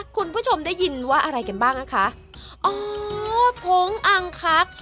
คุณผู้ชมได้ยินว่าอะไรกันบ้างนะคะอ๋อผงอังคัก